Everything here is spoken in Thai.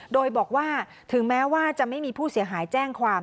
โดยบอกว่าถึงแม้ว่าจะไม่มีผู้เสียหายแจ้งความ